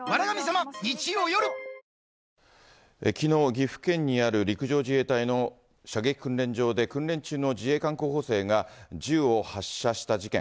岐阜県にある陸上自衛隊の射撃訓練場で、訓練中の自衛官候補生が銃を発射した事件。